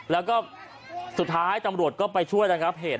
แล้วก็สุดท้ายตำรวจก็ไปช่วยระงับเหตุ